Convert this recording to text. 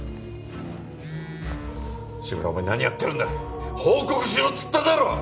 志村お前何やってるんだ報告しろっつっただろ！